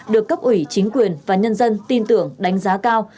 được cấp ủy chính quyền và nhân dân tin tưởng đánh giá cao